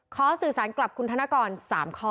สื่อสารกลับคุณธนกร๓ข้อ